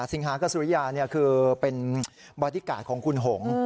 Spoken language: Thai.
สิงหากับสุริยาคือเป็นบอดี้การ์ดของคุณหง